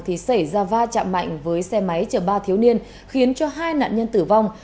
thì xảy ra va chạm mạnh với xe máy chở ba thiếu niên khiến cho hai nạn nhân tử vong